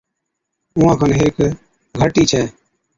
اُونهان کن هيڪ گھَرٽِي ڇَي،